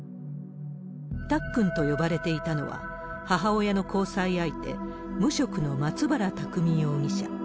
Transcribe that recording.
たっくんと呼ばれていたのは、母親の交際相手、無職の松原拓海容疑者。